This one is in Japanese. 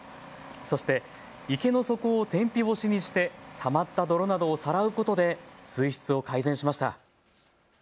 そして池の底を天日干しにしてたまった泥などをさらうことで水質を改善しました。